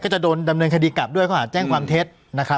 จะโดนดำเนินคดีกลับด้วยข้อหาแจ้งความเท็จนะครับ